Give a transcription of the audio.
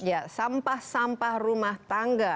ya sampah sampah rumah tangga